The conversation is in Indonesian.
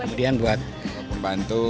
kemudian buat pembantu